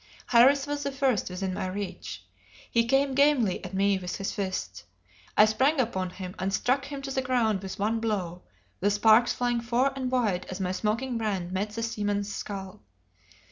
Harris was the first within my reach. He came gamely at me with his fists. I sprang upon him, and struck him to the ground with one blow, the sparks flying far and wide as my smoking brand met the seaman's skull.